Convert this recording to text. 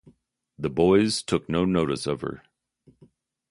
The boys took no notice of her.